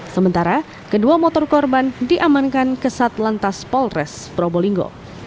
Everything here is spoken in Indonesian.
sementara kedua motor korban diamankan kesat lantas polres probolinggo